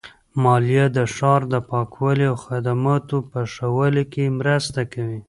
مالیه د ښار د پاکوالي او خدماتو په ښه والي کې مرسته کوي.